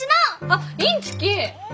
あっインチキ！